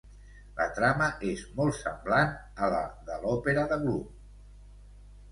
La trama és molt semblant a la de l'òpera de Gluck.